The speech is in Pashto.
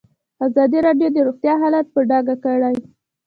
ازادي راډیو د روغتیا حالت په ډاګه کړی.